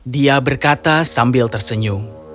dia berkata sambil tersenyum